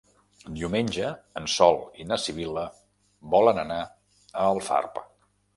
Diumenge en Sol i na Sibil·la volen anar a Alfarb.